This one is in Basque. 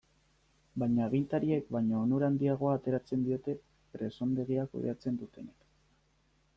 Baina agintariek baino onura handiagoa ateratzen diote presondegia kudeatzen dutenek.